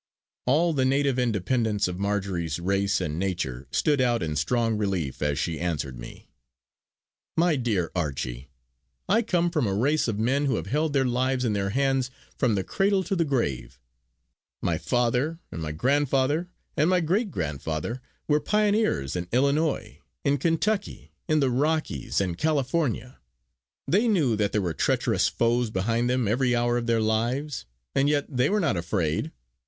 All the native independence of Marjory's race and nature stood out in strong relief as she answered me: "My dear Archie, I come from a race of men who have held their lives in their hands from the cradle to the grave. My father, and my grandfather, and my great grandfather were pioneers in Illinois, in Kentucky, in the Rockies and California. They knew that there were treacherous foes behind them every hour of their lives; and yet they were not afraid.